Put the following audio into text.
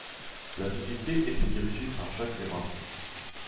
La société était dirigée par Jacques Veyrat.